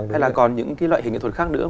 hay là còn những cái loại hình nghệ thuật khác nữa